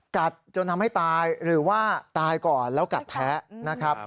กัดจนทำให้ตายหรือว่าตายก่อนแล้วกัดแท้นะครับ